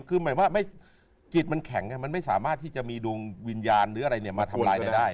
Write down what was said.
คือหมายว่าจิตมันแข็งมันไม่สามารถที่จะมีดวงวิญญาณหรืออะไรมาทำลายอะไรได้